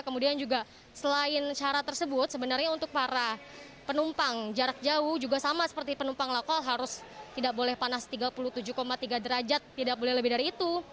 kemudian juga selain syarat tersebut sebenarnya untuk para penumpang jarak jauh juga sama seperti penumpang lokal harus tidak boleh panas tiga puluh tujuh tiga derajat tidak boleh lebih dari itu